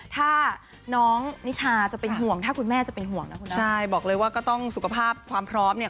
ถ้าน้องนิชาจะเป็นห่วงถ้าคุณแม่จะเป็นห่วงนะคุณแม่ใช่บอกเลยว่าก็ต้องสุขภาพความพร้อมเนี่ย